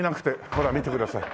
ほら見てください。